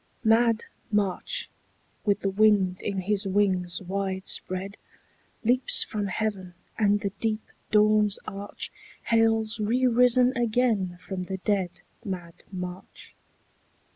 MAD March, with the wind in his wings wide spread, Leaps from heaven, and the deep dawn's arch Hails re risen again from the dead Mad March.